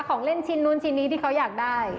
ของเล่นชิ้นนู้นชิ้นนี้ที่เขาอยากได้